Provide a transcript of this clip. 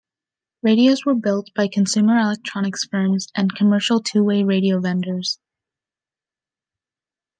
Radios were built by consumer electronics firms and commercial two-way radio vendors.